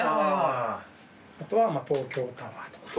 あとは東京タワーとか。